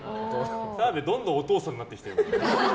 澤部どんどんお父さんの手になってきてる。